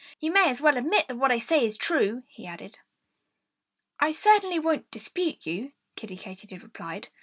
"You may as well admit that what I say is true," he added. "I certainly won't dispute you," Kiddie Katydid replied.